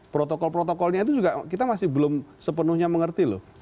protokol protokolnya itu juga kita masih belum sepenuhnya mengerti loh